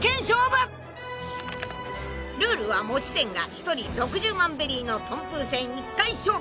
［ルールは持ち点が一人６０万ベリーの東風戦１回勝負。